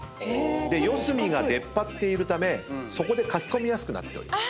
で四隅が出っ張っているためかき込みやすくなっております。